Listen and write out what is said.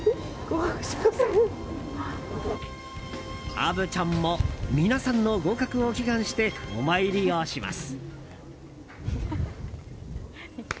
虻ちゃんも皆さんの合格を祈願してお参りをします。